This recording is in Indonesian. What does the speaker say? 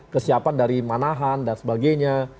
kesiapan dari manahan dan sebagainya